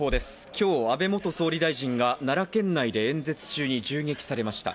今日、安倍元総理大臣が奈良県内で演説中に銃撃されました。